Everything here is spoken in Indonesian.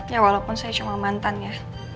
ya walaupun saya cuma mantan ya